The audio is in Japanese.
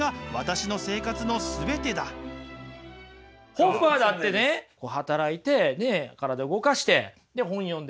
ホッファーだってね働いて体動かして本読んで書いて。